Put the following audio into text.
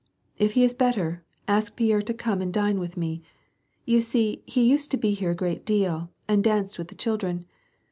"If he is better, ask Pierre to come and dine with me. You see he used to be here a great deal, and danced with the children.